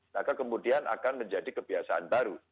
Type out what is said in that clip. maka kemudian akan menjadi kebiasaan baru